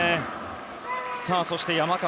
そして山川。